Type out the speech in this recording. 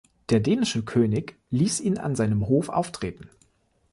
Der dänische König ließ ihn an seinem Hof auftreten.